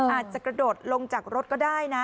อาจจะกระโดดลงจากรถก็ได้นะ